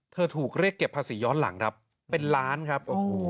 ถูกเรียกเก็บภาษีย้อนหลังครับเป็นล้านครับ